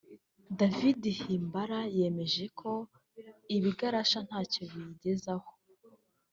David Himbara yemeje ko ibigarasha ntacyo bizigezaho